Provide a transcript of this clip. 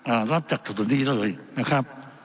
อ่ารับจากส่วนดีเลยนะครับ